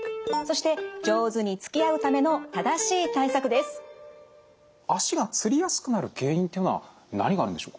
まずは最近足がつりやすくなる原因っていうのは何があるんでしょう。